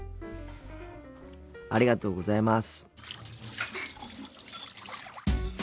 ありがとうございます。